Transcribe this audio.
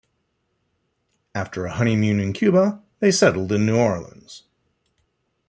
After a honeymoon in Cuba, they settled in New Orleans.